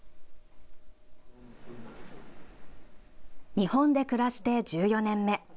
日本で暮らして１４年目。